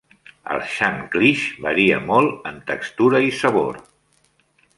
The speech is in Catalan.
El shanklish varia molt en textura i sabor.